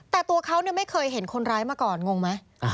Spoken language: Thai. แต่ตัวเขาไม่เคยเห็นคนร้ายมาก่อนงงไหม